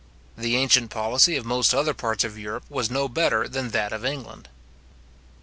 The ancient policy of most other parts of Europe was no better than that of England.